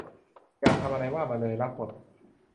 อยากทำอะไรว่ามาเลอ รับหมด